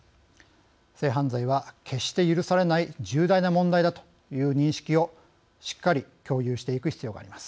性犯罪は決して許されない重大な問題だという認識をしっかり共有していく必要があります。